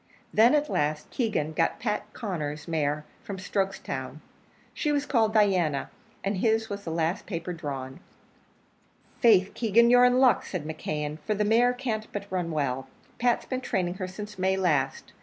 Then, at last, Keegan got Pat Conner's mare from Strokestown. She was called Diana, and his was the last paper drawn. "Faith, Keegan, you're in luck," said McKeon, "for the mare can't but run well. Pat's been training her since May last.